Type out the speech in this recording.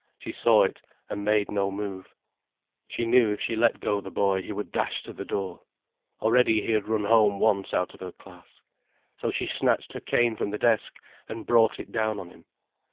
She saw it, and made no move. She knew if she let go the boy he would dash to the door. Already he had run home once out of her class. So she snatched her cane from the desk, and brought it down on him.